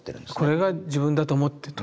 これが自分だと思ってと。